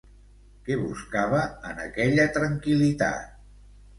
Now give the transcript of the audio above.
Què buscava en aquella tranquil·litat?